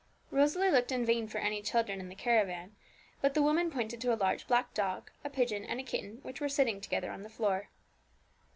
Rosalie looked in vain for any children in the caravan; but the woman pointed to a large black dog, a pigeon, and a kitten, which were sitting together on the floor.